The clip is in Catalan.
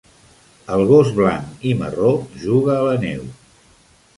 El gos blanc i marró juga a la neu